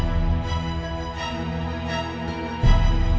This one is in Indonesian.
masih bisa puas hati